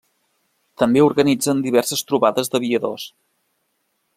També organitzen diverses trobades d'aviadors.